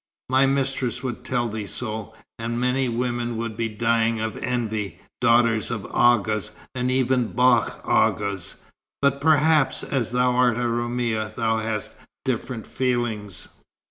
My mistress would tell thee so, and many women would be dying of envy, daughters of Aghas and even of Bach Aghas. But perhaps, as thou art a Roumia, thou hast different feelings."